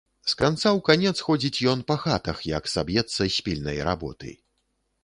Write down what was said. З канца ў канец ходзіць ён па хатах, як саб'ецца з пільнай работы.